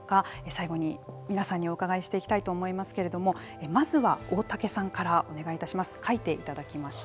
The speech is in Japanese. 最後に皆さんにお伺いしていきたいと思いますけれどもまずは大竹さんからお願いいたします。